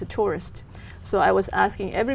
trong hai năm